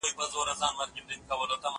زه هره ورځ د کتابتون لپاره کار کوم!